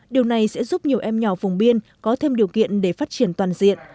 điều này sẽ giúp nhiều em nhỏ vùng biên có thêm điều kiện để phát triển toàn diện